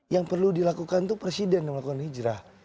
yang perlu dilakukan itu presiden yang melakukan hijrah